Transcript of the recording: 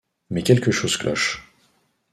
Mais quelque chose cloche.